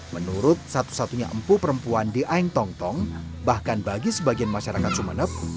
menurut satu satunya empu perempuan di aingtongtong bahkan bagi sebagian masyarakat sumenep